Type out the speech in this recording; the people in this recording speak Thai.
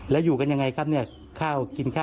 อ๋อแล้วอยู่กันยังไงครับเนี่ยกินข้าวกันยังไงครับ